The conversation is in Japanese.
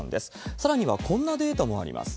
さらにはこんなデータもあります。